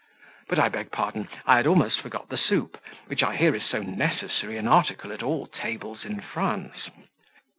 But I beg pardon, I had almost forgot the soup, which I hear is so necessary an article at all tables in France.